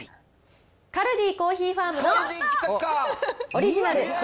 カルディコーヒーファームのオリジナル黒